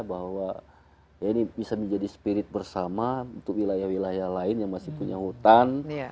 bahwa ini bisa menjadi spirit bersama untuk wilayah wilayah lain yang masih punya hutan